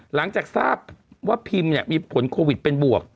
หลังจากทราบว่าพิมมีผลโควิดเป็นบวก